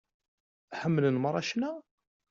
Ḥemmlen meṛṛa ccna?